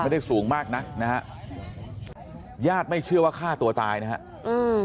ไม่ได้สูงมากนะญาติไม่เชื่อว่าฆ่าตัวตายนะครับ